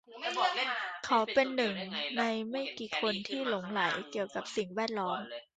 เขาเป็นหนึ่งในไม่กี่คนที่หลงใหลเกี่ยวกับสิ่งแวดล้อม